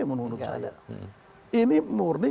menurut saya ini murni